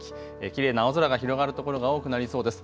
きれいな青空が広がる所が多くなりそうです。